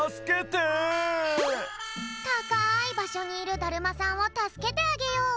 たかいばしょにいるだるまさんをたすけてあげよう！